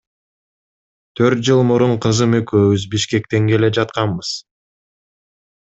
Төрт жыл мурун кызым экөөбүз Бишкектен келе жатканбыз.